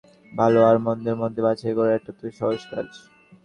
ভাল আর মন্দের মধ্যে বাছাই করা, এটা তো সহজ কাজ।